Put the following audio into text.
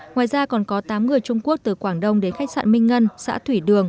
ngoài ra còn có tám người trung quốc từ quảng đông đến khách sạn minh ngân xã thủy đường